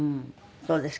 そうですか。